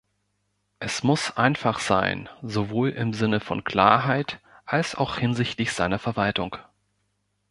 Es muss einfach sein sowohl im Sinne von Klarheit als auch hinsichtlich seiner Verwaltung.